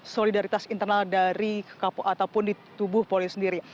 solidaritas internal dari ataupun di tubuh polri sendiri